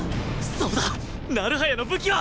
そうだ成早の武器は